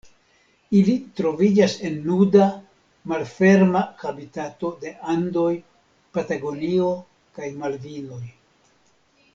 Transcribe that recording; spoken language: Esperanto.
Ili troviĝas en nuda, malferma habitato de Andoj, Patagonio kaj Malvinoj.